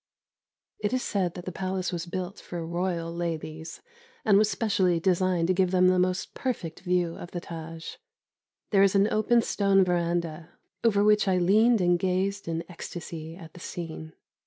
It is said that the palace was built for Royal ladies, and was specially designed to give them the most perfect view of the Tâj. There is an open stone verandah, over which I leaned and gazed in ecstasy at the scene.